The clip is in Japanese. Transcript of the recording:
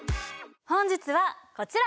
本日はこちら！